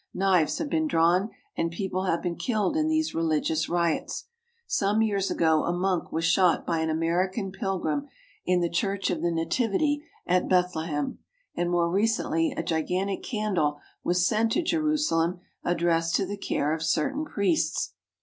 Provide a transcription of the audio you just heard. Knives have been drawn and people have been killed in these re ligious riots. Some years ago a monk was shot by an American pilgrim in the Church of the Nativity at Bethlehem, and more recently a gigantic candle was sent to Jerusalem addressed to the care of certain priests.